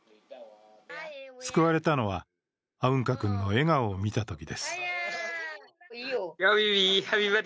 救われたのは、アウンカ君の笑顔を見たときです。